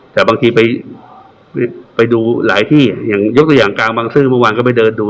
แต่บางทีไปไปดูหลายที่อย่างยกตัวอย่างกลางบางซื่อเมื่อวานก็ไปเดินดู